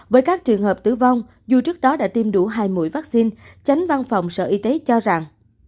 với các trường hợp tử vong dù trước đó đã tiêm đủ hai mũi vaccine tránh văn phòng sở y tế cho rằng